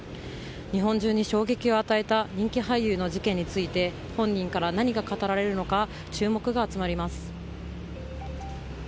日本中に衝撃を与えた人気俳優の事件について本人から何が語られるのか注目が集まります。